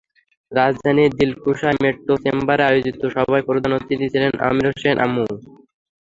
রাজধানীর দিলকুশায় মেট্রো চেম্বারে আয়োজিত সভায় প্রধান অতিথি ছিলেন আমির হোসেন আমু।